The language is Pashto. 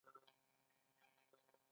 د دوی لاره زموږ لپاره رڼا ده.